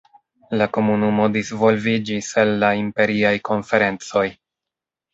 La Komunumo disvolviĝis el la Imperiaj Konferencoj.